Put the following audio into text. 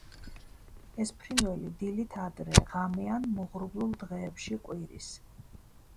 ეს ფრინველი დილით ადრე, ღამე ან მოღრუბლულ დღეებში ყვირის.